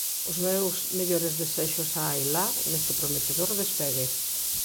Os meus mellores desexos a Ailá neste prometedor despegue!